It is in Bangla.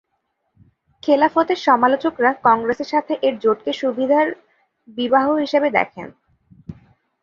খেলাফতের সমালোচকরা কংগ্রেসের সাথে এর জোটকে সুবিধার বিবাহ হিসাবে দেখেন।